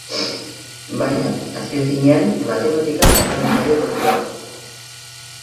Baina, azken finean, matematika parlamentario kontua da.